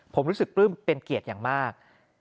ผมรู้สึกปลื้มเป็นเกียรติอย่างมาก